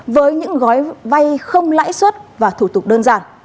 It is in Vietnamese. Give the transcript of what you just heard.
với những gói vay không lãi suất và thủ tục đơn giản